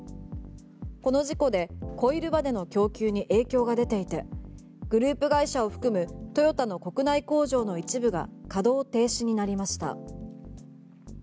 この事故でコイルばねの供給に影響が出ていてグループ会社を含むトヨタの国内工場の一部が稼働停止になりました。